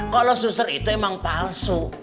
kalau suster itu emang palsu